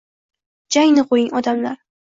Jangni qo’ying, odamlar!